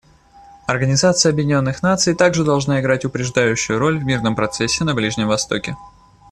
Организация Объединенных Наций также должна играть упреждающую роль в мирном процессе на Ближнем Востоке.